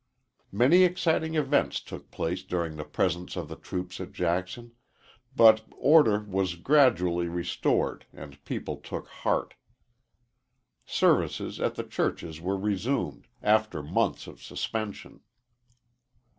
Many exciting events took place during the presence of the troops at Jackson, but order was gradually restored and people took heart. Services at the churches were resumed, after months of suspension.